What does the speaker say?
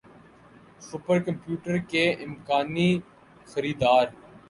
super computer کے امکانی خریدار